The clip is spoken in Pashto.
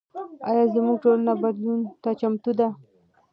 ایا زموږ ټولنه بدلون ته چمتو ده؟